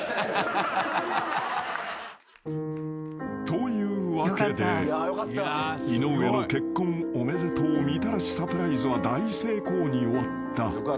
［というわけで井上の結婚おめでとうみたらしサプライズは大成功に終わった］